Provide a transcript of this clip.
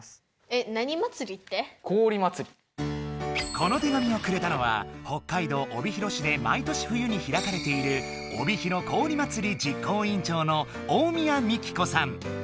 この手紙をくれたのは北海道帯広市で毎年冬にひらかれている「おびひろ氷まつり」実行委員長の大宮美紀子さん。